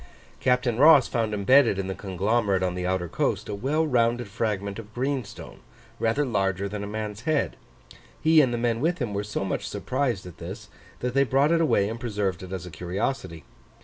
Captain Ross found embedded in the conglomerate on the outer coast, a well rounded fragment of greenstone, rather larger than a man's head: he and the men with him were so much surprised at this, that they brought it away and preserved it as a curiosity.